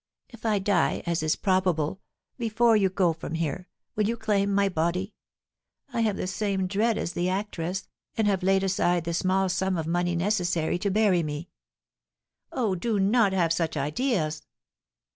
"If I die, as is probable, before you go from here, will you claim my body? I have the same dread as the actress, and have laid aside the small sum of money necessary to bury me." "Oh, do not have such ideas!"